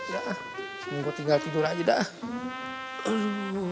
sebenernya gue tinggal tidur aja dah